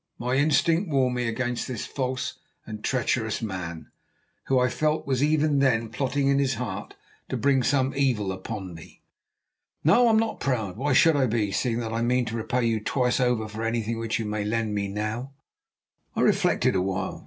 My instinct warned me against this false and treacherous man, who, I felt, was even then plotting in his heart to bring some evil upon me. "No, I am not proud. Why should I be, seeing that I mean to repay you twice over for anything which you may lend me now?" I reflected a while.